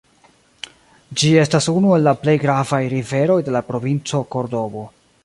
Ĝi estas unu el la plej gravaj riveroj de la provinco Kordobo.